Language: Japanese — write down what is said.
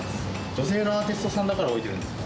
女性のアーティストさんだから置いてるんですか？